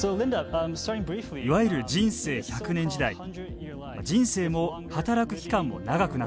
いわゆる人生１００年時代人生も働く期間も長くなった。